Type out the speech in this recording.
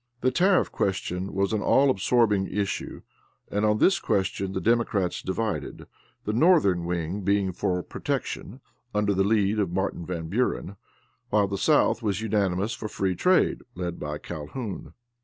The tariff question was an all absorbing issue, and on this question the Democrats divided the northern wing being for protection, under the lead of Martin Van Buren; while the South was unanimous for free trade, led by Calhoun.